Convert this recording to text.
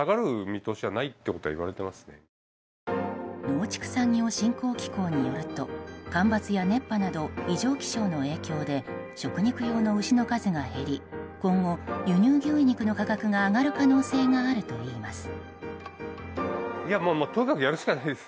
農畜産業振興機構によると干ばつや熱波など異常気象の影響で食肉用の牛の数が減り今後、輸入牛肉の価格が上がる可能性があるといいます。